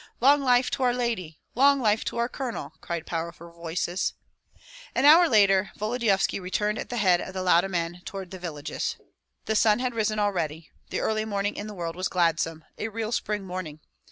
"Long life to our lady! Long life to our colonel!" cried powerful voices. An hour later Volodyovski returned at the head of the Lauda men toward the villages. The sun had risen already; the early morning in the world was gladsome, a real spring morning.